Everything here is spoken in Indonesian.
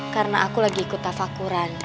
karena aku lagi ikut tafakuran